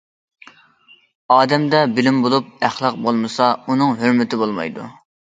ئادەمدە بىلىم بولۇپ، ئەخلاق بولمىسا، ئۇنىڭ ھۆرمىتى بولمايدۇ.